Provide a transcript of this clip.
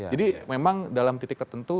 jadi memang dalam titik tertentu